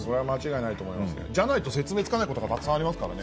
じゃないと説明つかないことがたくさんありますからね。